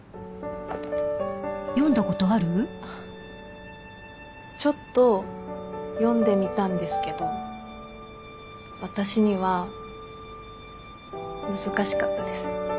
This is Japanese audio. あっちょっと読んでみたんですけど私には難しかったです。